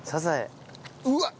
うわっ！